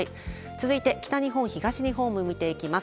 続いて、北日本、東日本も見ていきます。